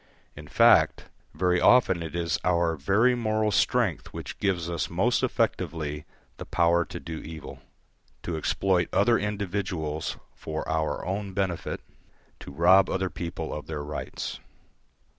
In fact, very often it is our very moral strength which gives us most effectively the power to do evil, to exploit other individuals for our own benefit, to rob other people of their rights.